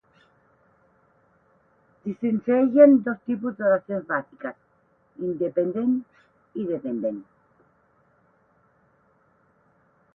Distingeixen dos tipus d'oracions bàsiques: independent i depenent.